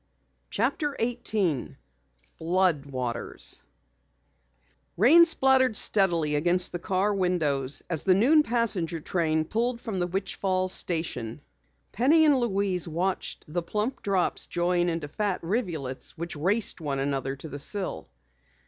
CHAPTER 18 FLOOD WATERS Rain splattered steadily against the car windows as the noon passenger train pulled from the Witch Falls station. Penny and Louise watched the plump drops join into fat rivulets which raced one another to the sill.